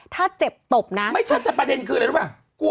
ถ้าเจ็บตบนะไม่ชัดแต่ประเด็นคืออะไรรู้ป่ะ